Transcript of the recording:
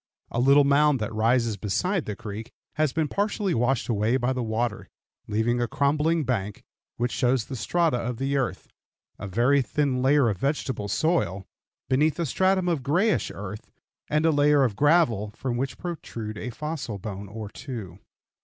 A little mound that rises beside the creek has been partially washed away by the water, leaving a crumbling bank, which shows the strata of the earth, a very thin layer of vegetable soil, beneath a stratum of grayish earth, and a layer of gravel, from which protrude a fossil bone or two.